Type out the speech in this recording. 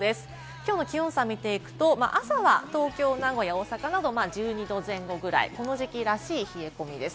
きょうの気温差見ていくと朝は東京、名古屋、大阪など１２度前後ぐらい、この時期らしい冷え込みです。